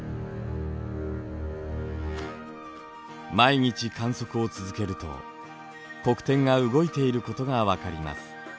毎日観測を続けると黒点が動いていることが分かります。